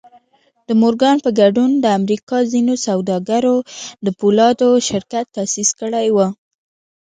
د مورګان په ګډون د امريکا ځينو سوداګرو د پولادو شرکت تاسيس کړی و.